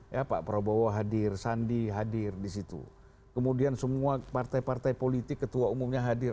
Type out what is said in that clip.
ya pak prabowo hadir sandi hadir di situ kemudian semua partai partai politik ketua umumnya hadir